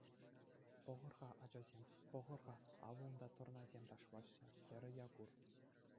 — Пӑхӑр-ха, ачасем, пӑхӑр-ха, авӑ унта тӑрнасем ташлаҫҫӗ, — терӗ Якур.